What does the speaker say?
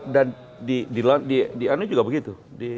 jadi di amerika juga begitu